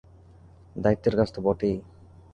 দায়িত্বের কাজ তো বটেই!